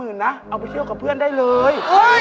เอาไปเที่ยวกับเพื่อนได้เลย